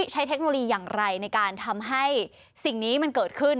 เทคโนโลยีอย่างไรในการทำให้สิ่งนี้มันเกิดขึ้น